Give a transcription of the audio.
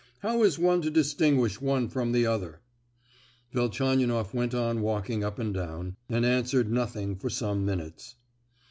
How is one to distinguish one from the other?" Velchaninoff went on walking up and down, and answered nothing for some minutes.